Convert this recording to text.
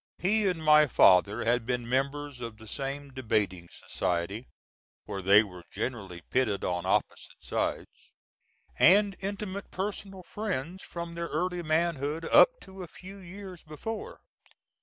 He and my father had been members of the same debating society (where they were generally pitted on opposite sides), and intimate personal friends from their early manhood up to a few years before.